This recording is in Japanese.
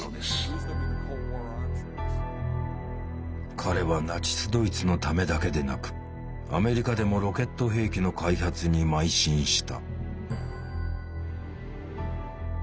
彼はナチスドイツのためだけでなくアメリカでもロケット兵器の開発にまい進した。